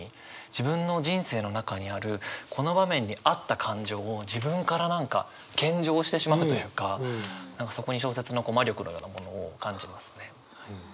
自分の人生の中にあるこの場面に合った感情を自分から何か献上してしまうというか何かそこに小説の魔力のようなものを感じますね。